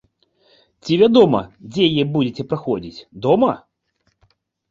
Ці вядома, дзе яе будзеце праходзіць, дома?